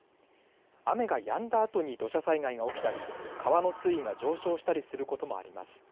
雨がやんだあとに土砂災害が起きたり川の水位が上昇したりすることもあります。